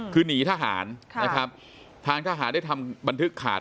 คือหนีทหารนะครับทางทหารได้ทำบันทึกขาด